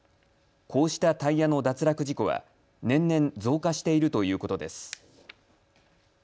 こうしたタイヤの脱落事故は年々増加しているということです。